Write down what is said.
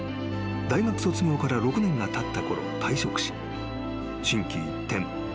［大学卒業から６年がたったころ退職し心機一転